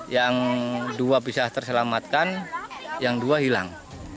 yang dua bisa terselamatkan yang dua hilang